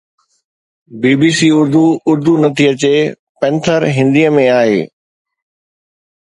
بي B C Urdu Urdu نٿي اچي، پينٿر هندي ۾ آهي